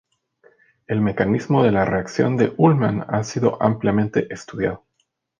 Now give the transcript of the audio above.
El mecanismo de la reacción de Ullmann ha sido ampliamente estudiado.